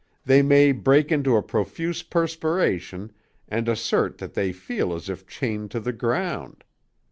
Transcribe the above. They may break into a profuse perspiration and assert that they feel as if chained to the ground....'